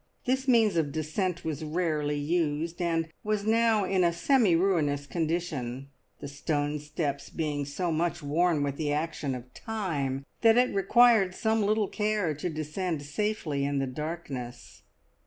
This means of descent was rarely used, and was now in a semi ruinous condition, the stone steps being so much worn with the action of time that it required some little care to descend safely in the darkness.